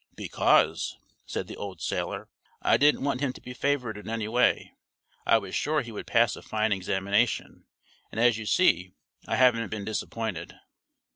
"Because," said the old sailor, "I didn't want him to be favored in any way. I was sure he would pass a fine examination, and as you see I haven't been disappointed."